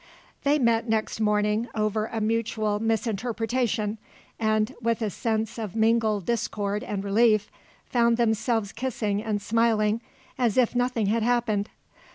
They met next morning over a mutual misinterpretation, and, with a sense of mingled discord and relief, found themselves kissing and smiling as if nothing had happened.